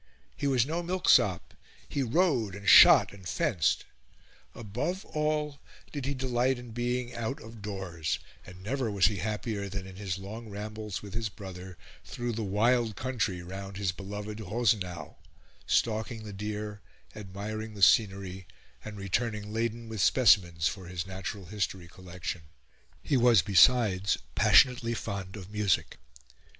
He was no milksop; he rode, and shot, and fenced; above all did he delight in being out of doors, and never was he happier than in his long rambles with his brother through the wild country round his beloved Rosenau stalking the deer, admiring the scenery, and returning laden with specimens for his natural history collection. He was, besides, passionately fond of music.